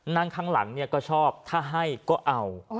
นั่งข้างหลังก็ชอบถ้าให้ก็เอา